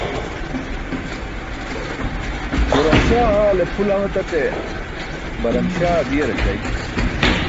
Quram śaa haale pʰu lam etaṭe, baram śaa diẏarac̣aya?